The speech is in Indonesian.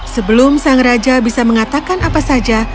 sebelum sang raja bisa mengatakan apa saja